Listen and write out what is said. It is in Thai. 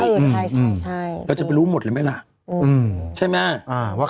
พี่โมดรู้สึกไหมพี่โมดรู้สึกไหมพี่โมดรู้สึกไหมพี่โมดรู้สึกไหม